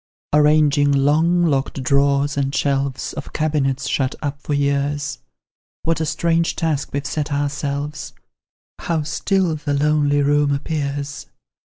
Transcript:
Arranging long locked drawers and shelves Of cabinets, shut up for years, What a strange task we've set ourselves! How still the lonely room appears!